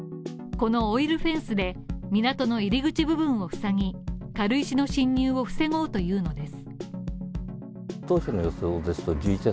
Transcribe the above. このオイルフェイスで港の入り口部分をふさぎ、軽石の侵入を防ごうというのです。